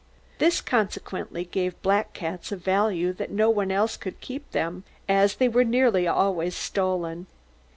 This, consequently, gave black cats such a value that no one else could keep them, as they were nearly always stolen.